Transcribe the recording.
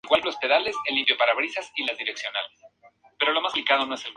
Anthony Ramos originó el papel tanto en el Broadway como fuera de Broadway.